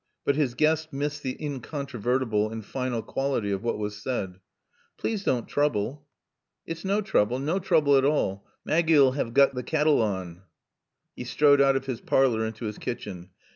But his guest missed the incontrovertible and final quality of what was said. "Please don't trouble." "It's naw trooble naw trooble at all. Maaggie'll 'ave got kettle on." He strode out of his parlor into his kitchen.